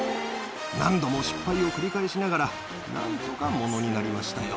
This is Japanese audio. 何度も失敗を繰り返しながら、なんとかものになりましたよ。